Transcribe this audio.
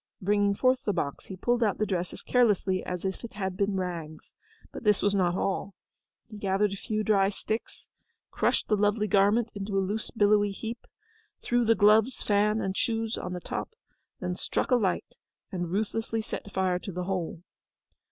Bringing forth the box, he pulled out the dress as carelessly as if it had been rags. But this was not all. He gathered a few dry sticks, crushed the lovely garment into a loose billowy heap, threw the gloves, fan, and shoes on the top, then struck a light and ruthlessly set fire to the whole.